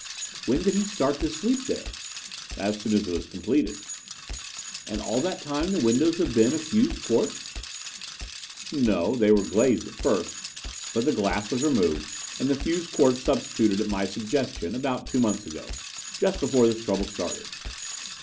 "When did he start to sleep there?" "As soon as it was completed." "And all the time the windows have been of fused quartz?" "No. They were glazed at first, but the glass was removed and the fused quartz substituted at my suggestion about two months ago, just before this trouble started."